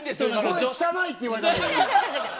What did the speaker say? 声が汚いって言われたよ！